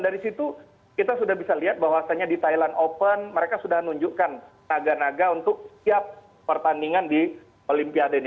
dari situ kita sudah bisa lihat bahwasannya di thailand open mereka sudah nunjukkan naga naga untuk tiap pertandingan di olimpiade ini